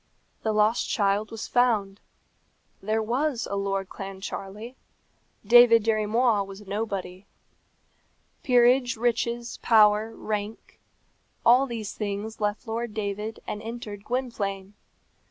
The lost child was found. There was a Lord Clancharlie; David Dirry Moir was nobody. Peerage, riches, power, rank all these things left Lord David and entered Gwynplaine.